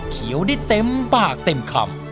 เขียวได้เต็มปากเต็มคำ